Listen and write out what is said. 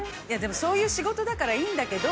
そういう仕事だからいいんだけど。